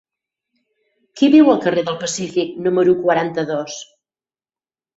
Qui viu al carrer del Pacífic número quaranta-dos?